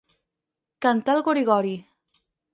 Cantar el gori-gori.